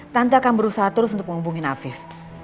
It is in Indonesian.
tante akan berusaha terus untuk menghubungi afif